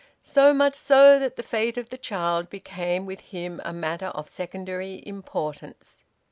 So much so that the fate of the child became with him a matter of secondary importance.